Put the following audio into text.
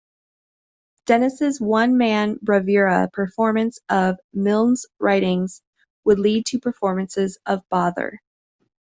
Dennis's one-man bravura performance of Milne's writings would lead to performances of Bother!